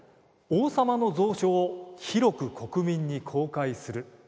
王様の蔵書を広く国民に公開する。